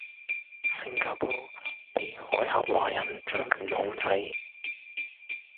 星加坡被海峽華人掌權控制